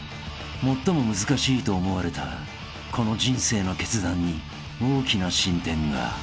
［最も難しいと思われたこの人生の決断に大きな進展が］